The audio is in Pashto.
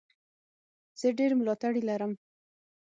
زه ډېر ملاتړي لرم.